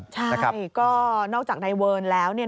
ใช่ก็นอกจากนายเวิร์นแล้ว